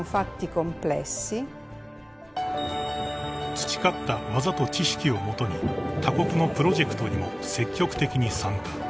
［培った技と知識を基に他国のプロジェクトにも積極的に参加］